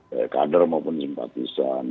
ya kader maupun simpatisan